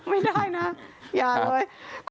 ไม่ได้นะอย่าเลย